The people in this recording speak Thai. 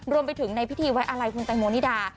รวมไปถึงในพิธีไว้อะไรคุณแตงโมนิดา